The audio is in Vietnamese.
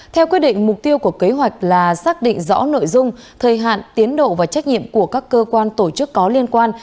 theo quyết định mục tiêu của kế hoạch là xác định rõ nội dung thời hạn tiến độ và trách nhiệm của các cơ quan tổ chức có liên quan